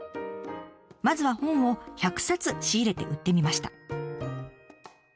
まずは本を１００冊仕入れて売ってみました。